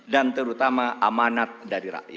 dan terutama amanat dari rakyat